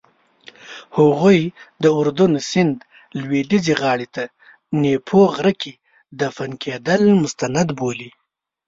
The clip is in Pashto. هغوی د اردن سیند لویدیځې غاړې ته نیپو غره کې دفن کېدل مستند بولي.